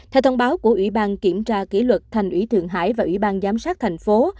theo thông báo của ủy ban kiểm tra kỷ luật thành ủy thượng hải và ủy ban giám sát thành phố